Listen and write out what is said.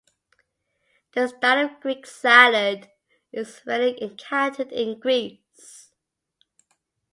This style of Greek salad is rarely encountered in Greece.